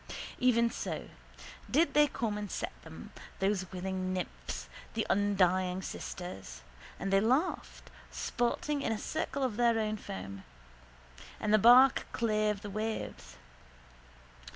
Even so did they come and set them, those willing nymphs, the undying sisters. And they laughed, sporting in a circle of their foam: and the bark clave the waves.